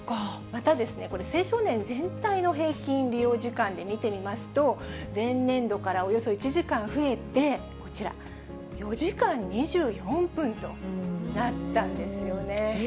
またですね、青少年全体の平均利用時間で見てみますと、前年度からおよそ１時間増えて、こちら、４時間２４分となったんですよね。